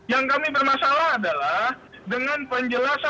yang kami bermasalah adalah dengan penjelasan pasal satu ratus enam puluh sembilan